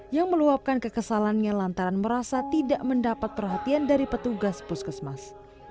yang meluapkan kekesalannya lantaran merasa tidak mendapat perhatian dari petugas puskesmas